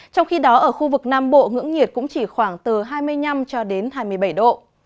trong khi đó ở khu vực nam bộ ngưỡng nhiệt cũng chỉ khoảng từ hai mươi năm cho đến hai mươi bảy độ